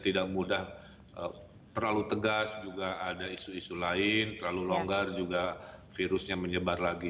tidak mudah terlalu tegas juga ada isu isu lain terlalu longgar juga virusnya menyebar lagi